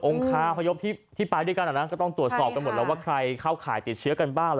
คาพยพที่ไปด้วยกันก็ต้องตรวจสอบกันหมดแล้วว่าใครเข้าข่ายติดเชื้อกันบ้าง